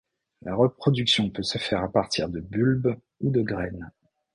La reproduction peut se faire à partir de bulbes ou de graines.